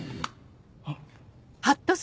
あっ。